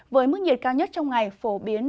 với mức nhiệt cao nhất trong ngày phổ biến